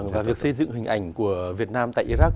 và việc xây dựng hình ảnh của việt nam tại iraq